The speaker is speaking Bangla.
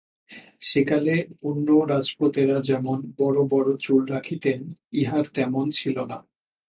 সেকালে অন্য রাজপুত্রেরা যেমন বড়ো বড়ো চুল রাখিতেন ইঁহার তেমন ছিল না।